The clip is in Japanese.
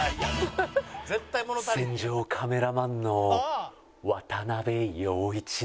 戦場カメラマンの渡部陽一です。